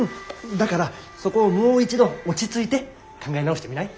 だからそこをもう一度落ち着いて考え直してみない？